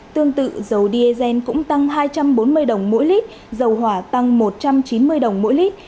tương tự dầu diesel cũng tăng hai trăm bốn mươi đồng mỗi lít dầu hỏa tăng một trăm chín mươi đồng mỗi lít